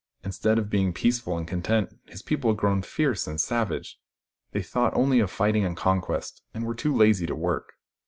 Instead of being peaceful and content, his people had grown fierce and savage. They thought only of fighting and conquest, and were too lazy to work.